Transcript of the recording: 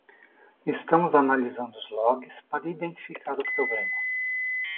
Estamos analisando os logs para identificar o problema.